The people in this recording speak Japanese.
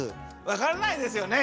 わからないですよね。